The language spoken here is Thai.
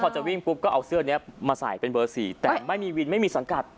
จะเอาเสื้อนี้มาใส่เป็นเบอร์๔แต่ไม่มีวินไม่มีสังกัด